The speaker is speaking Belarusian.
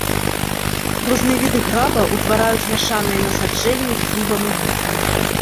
Розныя віды граба утвараюць мяшаныя насаджэнні з дубам і букам.